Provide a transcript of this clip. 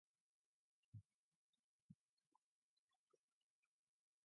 Mustafa Kemal Pasha promptly seized his chance.